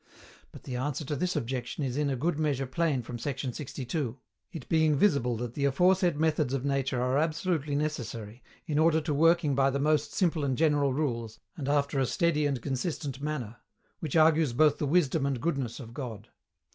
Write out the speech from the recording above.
But the answer to this objection is in a good measure plain from sect. 62; it being visible that the aforesaid methods of nature are absolutely necessary, in order to working by the most simple and general rules, and after a steady and consistent manner; which argues both the wisdom and goodness of God.